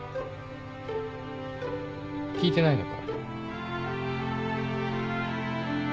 聞いてないのか？